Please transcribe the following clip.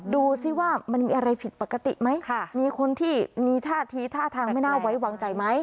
ดูสิว่ามันมีอะไรผิดปกติไหมมีคนที่มีท่าทีท่าทางไม่น่าไว้วางใจไหม